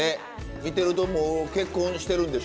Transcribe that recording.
見てるともう結婚してるんでしょ？